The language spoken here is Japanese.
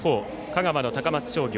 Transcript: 香川の高松商業。